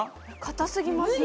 硬すぎます。